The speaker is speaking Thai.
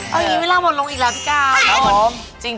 เอางี้เวลาหมดลงอีกแล้วพี่กาแล้วหมด